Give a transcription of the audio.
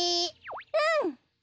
うん！